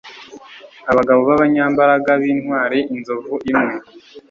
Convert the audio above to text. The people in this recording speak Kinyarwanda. abagabo b abanyambaraga b intwari inzovu imwe